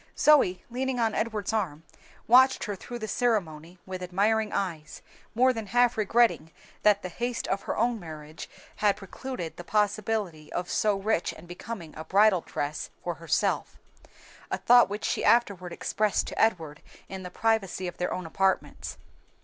Zoe, leaning on Edward's arm, watched her through the ceremony with admiring eyes, more than half regretting that the haste of her own marriage had precluded the possibility of so rich and becoming a bridal dress for herself a thought which she afterward expressed to Edward in the privacy of their own apartments.